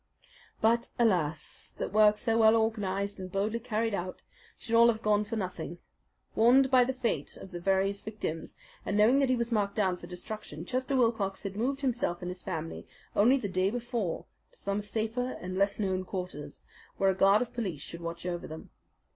But alas that work so well organized and boldly carried out should all have gone for nothing! Warned by the fate of the various victims, and knowing that he was marked down for destruction, Chester Wilcox had moved himself and his family only the day before to some safer and less known quarters, where a guard of police should watch over them.